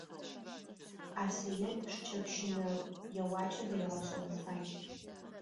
Асыет шыкӀэпщынэ еуакӀэ зэригъэшӀэнэу фай.